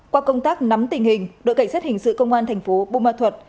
qua công tác nắm tình hình đội cảnh sát hình sự công an thành phố bù ma thuật